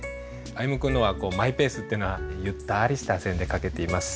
歩夢君のはマイペースっていうのはゆったりした線で書けています。